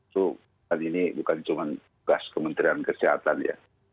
jadi ini bukan cuma tugas kementerian kesehatan ya